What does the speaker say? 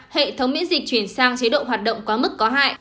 hệ thống miễn dịch chuyển sang chế độ hoạt động quá mức có hại